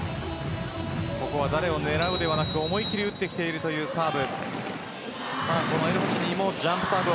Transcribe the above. ここは誰を狙うではなく思い切り打ってきているというサーブ。